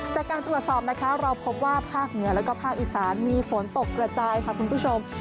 จากการตรวจสอบนะคะเราพบว่าภาคเหนือแล้วก็ภาคอีสานมีฝนตกกระจายค่ะคุณผู้ชม